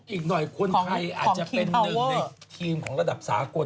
อีกหน่อยคนไทยอาจจะเป็นหนึ่งในทีมของระดับสากล